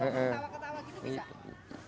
ketawa ketawa gitu bisa